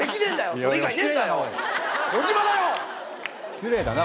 失礼だよ！